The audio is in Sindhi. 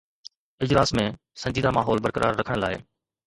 اجلاس ۾ سنجيده ماحول برقرار رکڻ لاءِ.